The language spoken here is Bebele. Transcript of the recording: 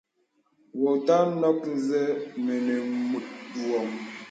Wɔ ùtà nɔk nzə mənə mùt wɔŋ.